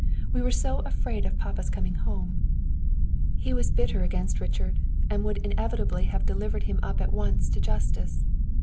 We were so afraid of papa's coming home; he was bitter against Richard, and would inevitably have delivered him up at once to justice.